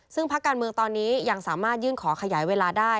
ซึ่งพักการเมืองตอนนี้ยังสามารถยื่นขอขยายเวลาได้